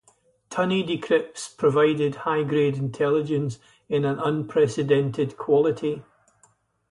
Tunny decrypts provided high-grade intelligence in an unprecedented quality.